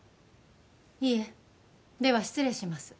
いえでは失礼します